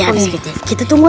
kita kita tunggu aja